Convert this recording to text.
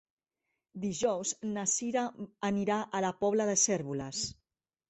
Dijous na Sira anirà a la Pobla de Cérvoles.